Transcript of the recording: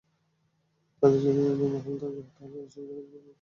তাতেও যদি দণ্ড বহাল থাকে, তাহলে রাষ্ট্রপতির কাছে প্রাণভিক্ষার সুযোগ পাবেন তিনি।